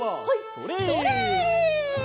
それ！